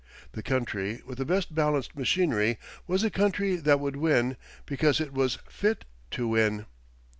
The country with the best balanced machinery was the country that would win, because it was fit to win."